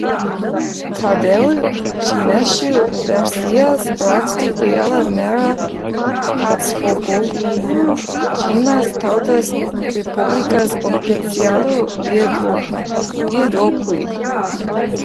Tādēļ ķīniešu versijas raksti lielā mērā atspoguļo Ķīnas Tautas Republikas oficiālo viedokli.